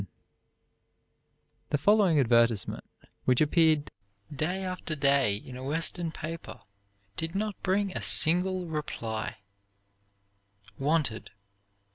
_" The following advertisement, which appeared day after day in a Western paper, did not bring a single reply: "Wanted.